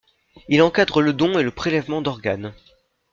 Il encadre le don et le prélèvement d’organes.